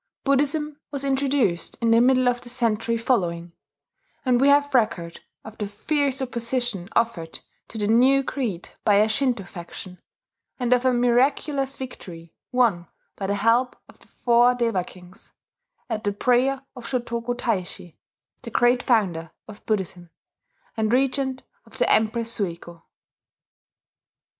Buddhism was introduced in the middle of the century following; and we have record of the fierce opposition offered to the new creed by a Shinto faction, and of a miraculous victory won by the help of the Four Deva Kings, at the prayer of Shotoku Taishi, the great founder of Buddhism, and regent of the Empress Suiko.